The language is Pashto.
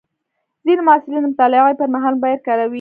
ځینې محصلین د مطالعې پر مهال موبایل کاروي.